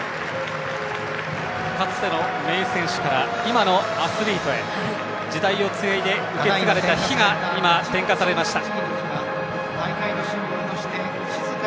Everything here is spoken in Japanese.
かつての名選手から今のアスリートへ時代をへて、受け継がれた火が今、点火されました。